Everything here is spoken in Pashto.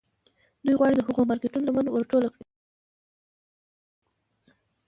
دوی غواړي د هغو مارکیټونو لمن ور ټوله کړي